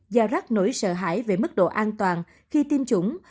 giao rắc nổi sợ hãi về mức độ an toàn khi tiêm chủng